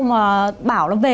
mà bảo nó về